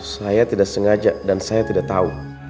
saya tidak sengaja dan saya tidak tahu